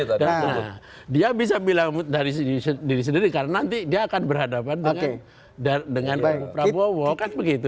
nah dia bisa bilang dari diri sendiri karena nanti dia akan berhadapan dengan prabowo kan begitu